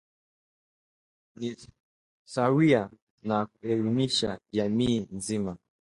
ni sawia na kuelimisha jamii nzima